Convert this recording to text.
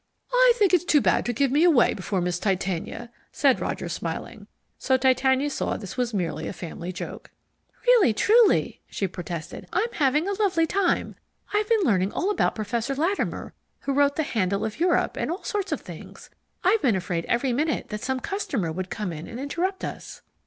"I think it's too bad to give me away before Miss Titania," said Roger, smiling, so Titania saw this was merely a family joke. "Really truly," she protested, "I'm having a lovely time. I've been learning all about Professor Latimer who wrote The Handle of Europe, and all sorts of things. I've been afraid every minute that some customer would come in and interrupt us."